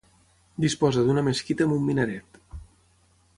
Disposa d'una mesquita amb un minaret.